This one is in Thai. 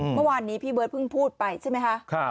เมื่อวานนี้พี่เบิร์ตเพิ่งพูดไปใช่ไหมคะ